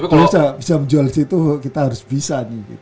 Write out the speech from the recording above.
kalau bisa menjual segitu kita harus bisa